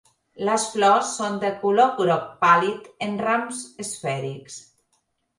Les flors són de color groc pàl·lid en rams esfèrics.